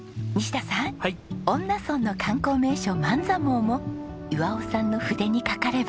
恩納村の観光名所万座毛も岩男さんの筆にかかれば。